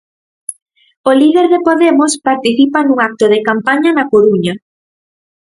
O líder de Podemos participa nun acto de campaña na Coruña.